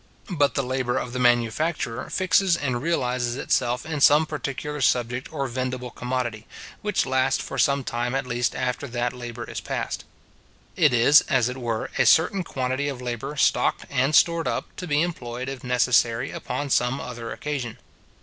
But the labour of the manufacturer fixes and realizes itself in some particular subject or vendible commodity, which lasts for some time at least after that labour is past. It is, as it were, a certain quantity of labour stocked and stored up, to be employed, if necessary, upon some other occasion.